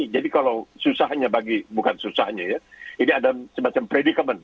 jadi kalau susahnya bagi bukan susahnya ya ini ada semacam predikamen